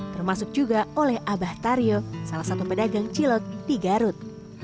termasuk juga oleh abah taryo salah satu pedagang cilok di garut